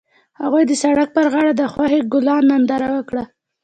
هغوی د سړک پر غاړه د خوښ ګلونه ننداره وکړه.